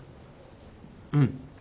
うん。